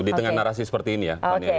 di tengah narasi seperti ini ya